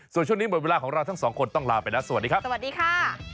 ส่วนช่วงนี้หมดเวลาของเราทั้งสองคนต้องลาไปแล้วสวัสดีครับสวัสดีค่ะ